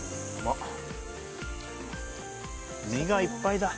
身がいっぱいだ。